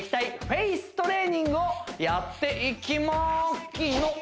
フェイストレーニングをやっていきまきのっ！